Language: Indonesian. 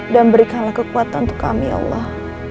dan berikanlah kekuatan untuk kami ya allah